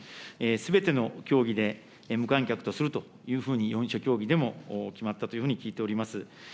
すべての競技で無観客とするというふうに、４者協議でも決まったというふうに聞いております。